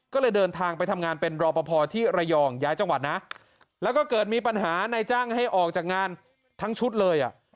ก็เลยเดินทางไปทำงานเป็นรอปภที่ระยองย้ายจังหวัดนะแล้วก็เกิดมีปัญหาในจ้างให้ออกจากงานทั้งชุดเลยอ่ะ